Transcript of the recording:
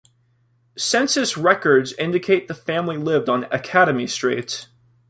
Census records indicate the family lived on Academy Street.